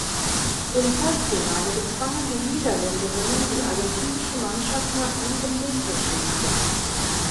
Im Halbfinale bezwangen die Niederländerinnen die argentinische Mannschaft nach Siebenmeterschießen.